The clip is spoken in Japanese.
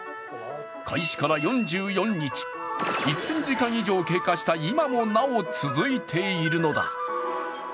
開始から４４日、１０００時間以上経過した今もなお続いているのだ。